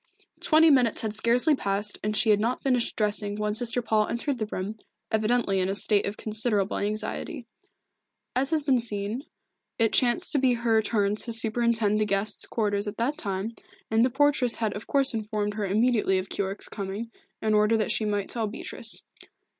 Twenty minutes had scarcely passed, and she had not finished dressing when Sister Paul entered the room, evidently in a state of considerable anxiety. As has been seen, it chanced to be her turn to superintend the guest's quarters at that time, and the portress had of course informed her immediately of Keyork's coming, in order that she might tell Beatrice.